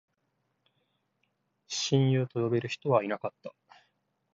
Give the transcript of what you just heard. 親友と呼べる人はいなかった